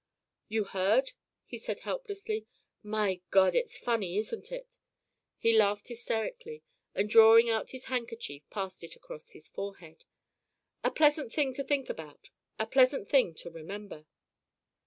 "You heard?" he said helplessly. "My God! It's funny, isn't it?" He laughed hysterically, and drawing out his handkerchief, passed it across his forehead. "A pleasant thing to think about a pleasant thing to remember."